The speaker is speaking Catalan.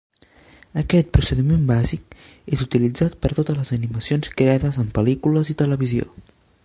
Aquest procediment bàsic és utilitzat per a totes les animacions creades en pel·lícules i televisió.